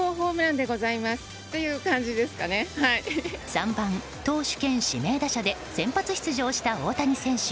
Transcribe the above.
３番投手兼指名打者で先発出場した大谷選手。